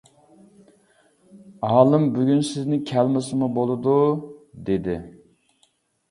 ئالىم بۈگۈن سىزنى كەلمىسىمۇ بولىدۇ، دېدى.